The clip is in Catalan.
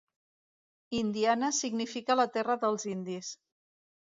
Indiana significa la terra dels indis.